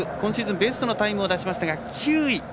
ベストのタイムを出しましたが９位。